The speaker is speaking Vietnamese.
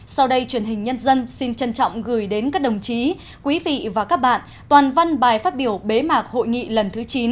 sau đây truyền hình nhân dân xin trân trọng gửi đến các đồng chí quý vị và các bạn toàn văn bài phát biểu bế mạc hội nghị lần thứ chín